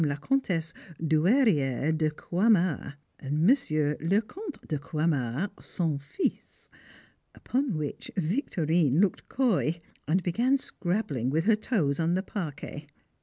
la Comtesse Douairière de Croixmare, and Monsieur le Comte de Croixmare, son fils; upon which Victorine looked coy, and began scrabbling with her toes on the paquet.